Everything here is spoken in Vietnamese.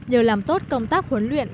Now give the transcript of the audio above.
nhờ làm tốt công tác huấn luyện